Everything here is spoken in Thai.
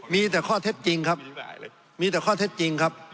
มีแต่ข้อเท็จจริงครับมีแต่ข้อเท็จจริงครับ